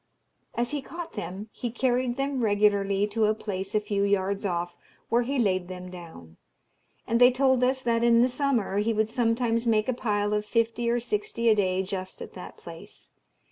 As he caught them he carried them regularly to a place a few yards off, where he laid them down; and they told us that in the summer he would sometimes make a pile of fifty or sixty a day just at that place.